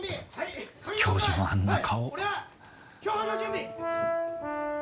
教授のあんな顔。